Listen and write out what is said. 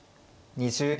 ２０秒。